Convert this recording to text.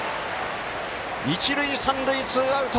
一塁、三塁、ツーアウト。